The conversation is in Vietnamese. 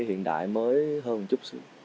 cái hiện đại mới hơn một chút xíu